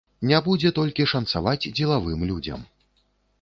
Не будзе толькі шанцаваць дзелавым людзям.